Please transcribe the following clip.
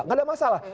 tidak ada masalah